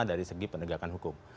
banyak masalah bagi penegakan hukum